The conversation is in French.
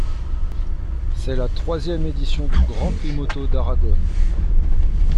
C'est la troisième édition du Grand Prix moto d'Aragon.